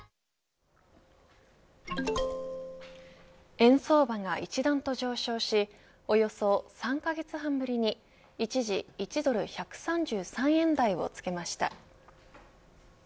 円相場が一段と上昇しおよそ３カ月半ぶりに一時、１ドル１３３円台をつけました。